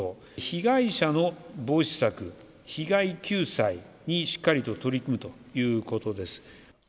被害者の防止策、被害救済にしっかりと取り組むということです。